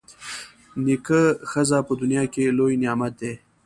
نېکه ښځه په دنیا کي لوی نعمت دی.